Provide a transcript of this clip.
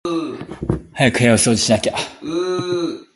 早く部屋を掃除しなきゃ